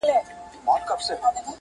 وچه میوه کي باید کاغذي بادام